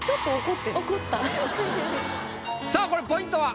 さあこれポイントは？